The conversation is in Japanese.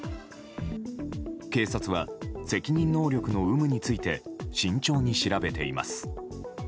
警察は、責任能力の有無について慎重に調べています。